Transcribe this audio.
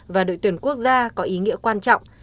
và đội tuyển quốc gia có ý nghĩa quan trọng